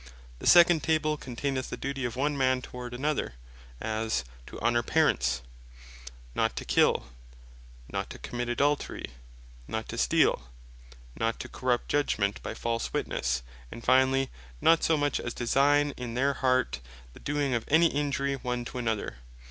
The second Table containeth the Duty of one man towards another, as "To honor Parents; Not to kill; Not to Commit Adultery; Not to steale; Not to corrupt Judgment by false witnesse;" and finally, "Not so much as to designe in their heart the doing of any injury one to another."